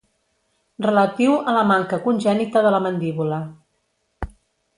Relatiu a la manca congènita de la mandíbula.